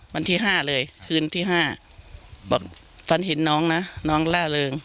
วันที่๕เลยคืนที่๕บอกฝันเห็นน้องนะน้องล่าเริง